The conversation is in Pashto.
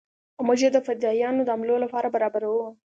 او موږ يې د فدايانو د حملو لپاره برابرو.